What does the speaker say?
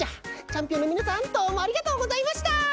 チャンピオンのみなさんどうもありがとうございました！